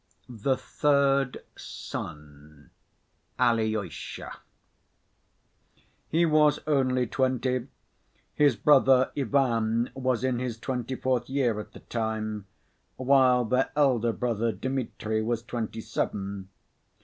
The Third Son, Alyosha He was only twenty, his brother Ivan was in his twenty‐fourth year at the time, while their elder brother Dmitri was twenty‐seven.